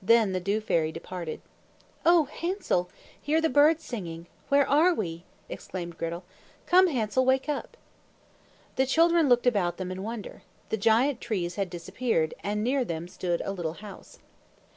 Then the Dew Fairy departed. "O Hansel! Hear the birds singing! Where are we?" exclaimed Gretel. "Come, Hansel, wake up!" The children looked about them in wonder. The giant trees had disappeared, and near them stood a little house.